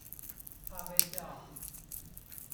怕被笑？